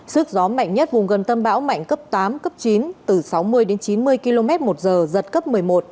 sức gió mạnh nhất vùng gần tâm bão mạnh cấp tám cấp chín từ sáu mươi đến chín mươi km một giờ giật cấp một mươi một